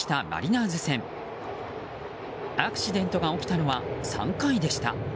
アクシデントが起きたのは３回でした。